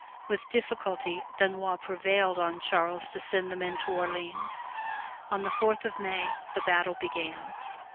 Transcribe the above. With difficulty Dunois prevailed on Charles to send the men to Orleans. On the fourth of May the battle began.